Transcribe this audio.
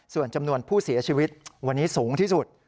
ส่วนจำนวนผู้เสียชีวิตวันนี้สูงที่สุด